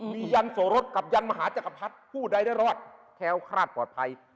มียันโสรสกับยันมหาจักรพรรดิผู้ใดได้รอดแค้วคลาดปลอดภัย